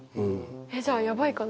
えっじゃあやばいかな？